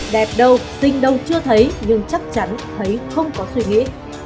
đẹp đâu tình đâu chưa thấy nhưng chắc chắn thấy không có suy nghĩ